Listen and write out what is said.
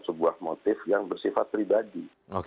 sebuah motif yang bersifat pribadi